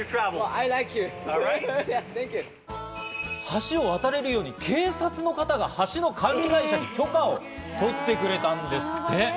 橋を渡れるように警察の方が橋の管理会社に許可を取ってくれたんです。